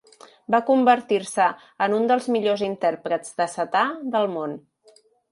Va convertir-se en un dels millors intèrprets de setar del món.